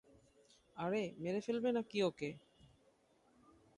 আরে মেরে ফেলবি নাকি ওকে?